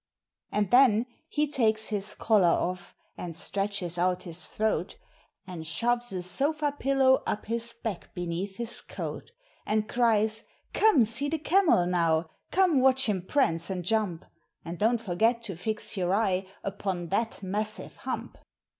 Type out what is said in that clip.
And then he takes his collar off and stretches out his throat, And shoves a sofa pillow up his back beneath his coat, And cries, "Come see the camel now, come watch him prance and jump! And don't forget to fix your eye upon that massive hump!"